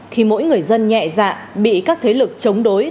khi mỗi người dân nhẹ dạ bị các thế lực chống đối